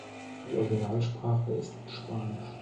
Die Originalsprache ist Spanisch.